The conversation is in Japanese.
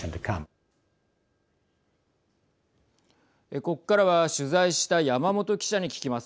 ここからは取材した山本記者に聞きます。